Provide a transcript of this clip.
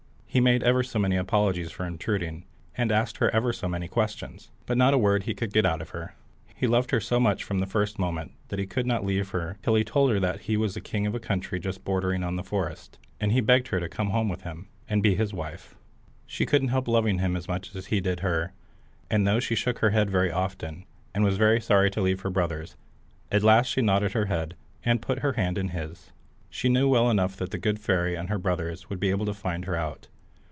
He made ever so many apologies for intruding, and asked her ever so many questions, but not a word could he get out of her. He loved her so much from the first moment, that he could not leave her till he told her he was king of a country just bordering on the forest, and he begged her to come home with him, and be his wife. She couldn't help loving him as much as he did her, and though she shook her head very often, and was very sorry to leave her brothers, at last she nodded her head, and put her hand in his. She knew well enough that the good fairy and her brothers would be able to find her out.